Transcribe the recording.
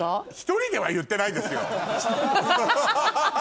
１人では言ってないですよ！